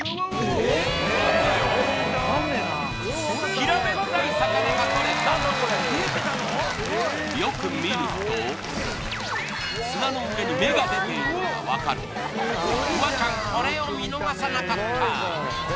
平べったい魚がとれたよく見ると砂の上に目が出ているのが分かるフワちゃん